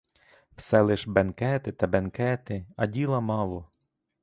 Все лиш бенкети та бенкети, а діла мало.